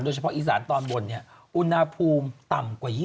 เฉพาะอีสานตอนบนอุณหภูมิต่ำกว่า๒๐